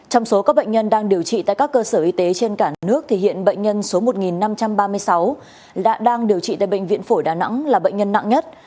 trong số các bệnh nhân đang điều trị tại các cơ sở y tế trên cả nước thì hiện bệnh nhân số một năm trăm ba mươi sáu đang điều trị tại bệnh viện phổi đà nẵng là bệnh nhân nặng nhất